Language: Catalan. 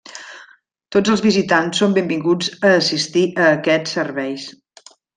Tots els visitants són benvinguts a assistir a aquests serveis.